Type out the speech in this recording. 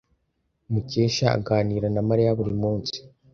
Mukesha aganira na Mariya buri munsi.